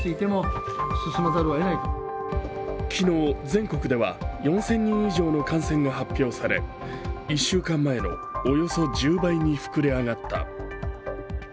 昨日全国では４０００人以上の感染が発表され１週間前のおよそ１０倍に膨れ上がった。